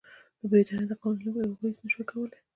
د برېټانیا د قوانینو له مخې هغوی هېڅ نه شوای کولای.